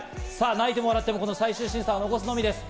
泣いても笑っても最終審査を残すのみです。